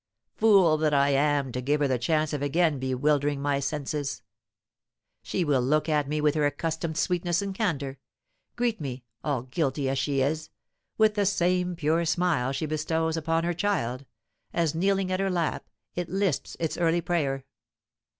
Fool that I am to give her the chance of again bewildering my senses! She will look at me with her accustomed sweetness and candour; greet me (all guilty as she is) with the same pure smile she bestows upon her child, as, kneeling at her lap, it lisps its early prayer.